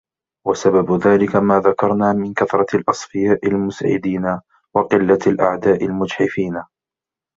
وَسَبَبُ ذَلِكَ مَا ذَكَرْنَا مِنْ كَثْرَةِ الْأَصْفِيَاءِ الْمُسْعِدِينَ ، وَقِلَّةِ الْأَعْدَاءِ الْمُجْحِفِينَ